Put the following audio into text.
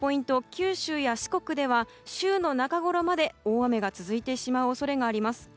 九州や四国では週の中ごろまで大雨が続いてしまう恐れがあります。